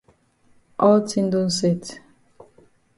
All tin don set.